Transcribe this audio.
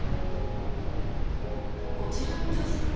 こちらの女性は。